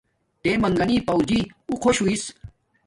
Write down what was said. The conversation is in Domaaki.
تے منگنی پورجی اُݹ خوش ہݸس